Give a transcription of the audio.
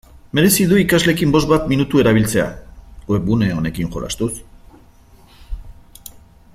Merezi du ikasleekin bost bat minutu erabiltzea webgune honekin jolastuz.